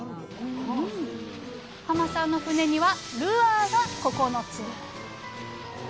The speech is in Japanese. さんの船にはルアーが９つ。